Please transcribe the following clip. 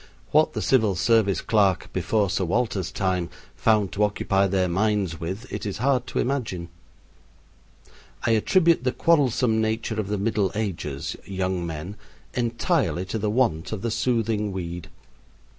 What the civil service clerk before Sir Walter's time found to occupy their minds with it is hard to imagine. I attribute the quarrelsome nature of the Middle Ages young men entirely to the want of the soothing weed.